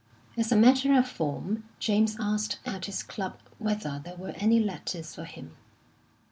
As a matter of form, James asked at his club whether there were any letters for him.